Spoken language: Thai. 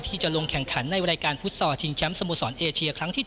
ที่จะลงแข่งขันในรายการฟุตซอลชิงแชมป์สโมสรเอเชียครั้งที่๓